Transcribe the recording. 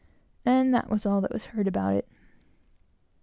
and that was all that was heard about it.